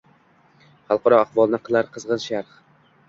Xalqaro ahvolni qilar qizg’in sharh: